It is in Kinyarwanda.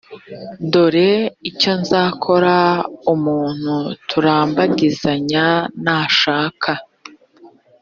dore icyo nzakora umuntu turambagizanya nashaka